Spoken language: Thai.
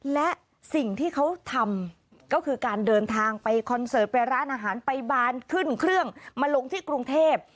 และสิ่งที่เขาทำก็คือการเดินทางไปคอนเสิร์ตไปร้านอาหารไปบานขึ้นเครื่องมาลงที่กรุงเทพ